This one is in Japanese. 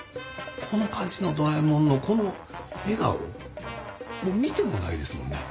この感じのドラえもんのこの笑顔見てもないですもんね。